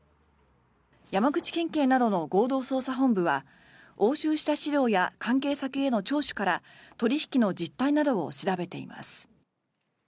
山口県警などの合同捜査本部は押収した資料や関係先への聴取から取引の実態などを調べています。